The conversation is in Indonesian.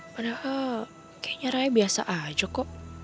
padahal kayaknya raya biasa aja kok